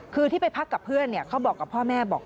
คือที่ไปพักกับเพื่อนเขาบอกกับพ่อแม่บอก